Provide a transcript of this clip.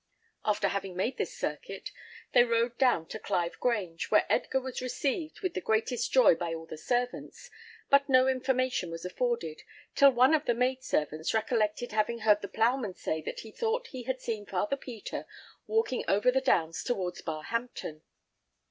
After having made this circuit, they rode down to Clive Grange, where Edgar was received with the greatest joy by all the servants; but no information was afforded, till one of the maid servants recollected having heard the ploughman say that he thought he had seen Father Peter walking over the downs towards Barhampton.